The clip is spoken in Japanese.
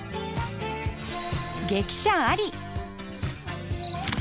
激写あり。